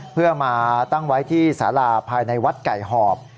เพื่อมาตั้งไว้ที่สาราภายในวัดไก่หอบ